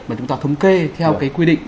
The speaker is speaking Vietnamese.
mà chúng ta thống kê theo cái quy định